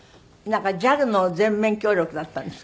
なんかＪＡＬの全面協力だったんですって？